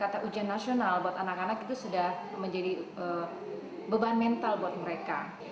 kata ujian nasional buat anak anak itu sudah menjadi beban mental buat mereka